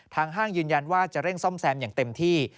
ห้างยืนยันว่าจะเร่งซ่อมแซมอย่างเต็มที่